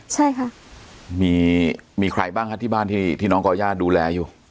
ใช่ค่ะมีมีใครบ้างฮะที่บ้านที่ที่น้องก่อย่าดูแลอยู่